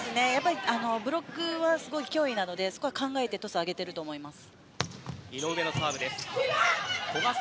ブロックが脅威なので考えてトスを上げていると思います。